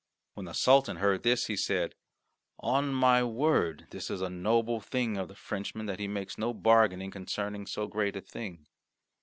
When the Sultan heard this, he said, "On my word, this is a noble thing of the Frenchman that he makes no bargaining concerning so great a thing.